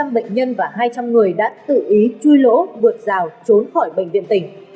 ba trăm linh bệnh nhân và hai trăm linh người đã tự ý chui lỗ vượt rào trốn khỏi bệnh viện tỉnh